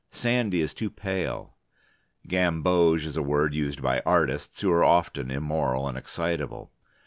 Sandy is too pale. Gamboge is a word used by artists, who are often immoral and excitable.